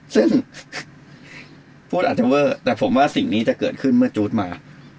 ซึ่งพูดอาจจะเวอร์แต่ผมว่าสิ่งนี้จะเกิดขึ้นเมื่อจู๊ดมา